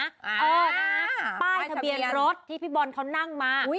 เออนะป้ายทะเบียนรถที่พี่บอลเขานั่งมา